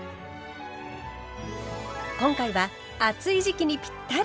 今回は暑い時期にぴったり！